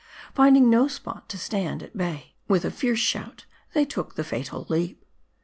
Find ing no spot tb stand at bay, with a fierce shout they took the fatal leap.